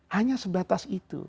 hanya sebatas itu